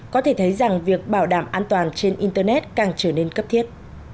có thể thấy rằng việc bảo đảm an toàn trên internet càng trở nên cấp thiết